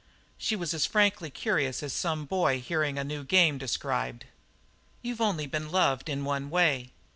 She was as frankly curious as some boy hearing a new game described. "You've only been loved in one way.